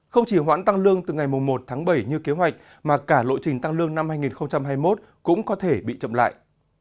không chỉ hoãn tăng lương từ ngày một tháng bảy như kế hoạch mà cả lộ trình tăng lương năm hai nghìn hai mươi một cũng có thể bị chậm lại